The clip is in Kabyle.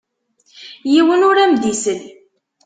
Yiwen ur am-d-isell.